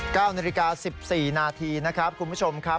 ๙นาฬิกา๑๔นาทีคุณผู้ชมครับ